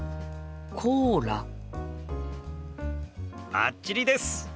バッチリです！